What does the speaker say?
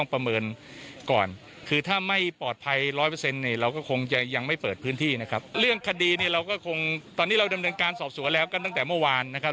เรื่องนี้เราก็คงตอนนี้เราดำเนินการสอบสวนแล้วกันตั้งแต่เมื่อวานนะครับ